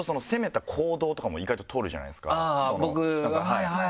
はいはい。